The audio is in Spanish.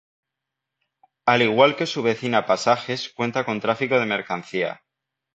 Al igual que su vecina Pasajes cuenta con tráfico de mercancías.